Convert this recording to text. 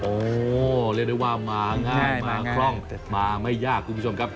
โอ้เรียกได้ว่ามาง่ายมาคล่องมาไม่ยากคุณผู้ชมครับ